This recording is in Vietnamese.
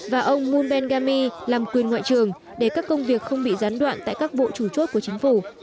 và ông mun bengami làm quyền ngoại trưởng để các công việc không bị gián đoạn tại các bộ chủ chốt của chính phủ